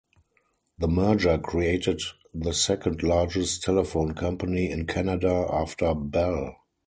The merger created the second largest telephone company in Canada after Bell.